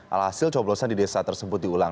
alhasil coblosan di desa tersebut diulang